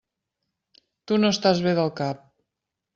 Tu no estàs bé del cap!